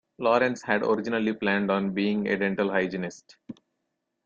Lawrence had originally planned on being a dental hygienist.